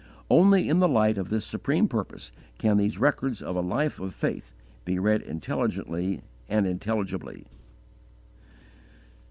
Only in the light of this supreme purpose can these records of a life of faith be read intelligently and intelligibly.